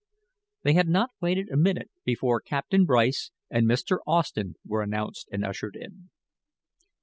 They had not waited a minute before Captain Bryce and Mr. Austen were announced and ushered in.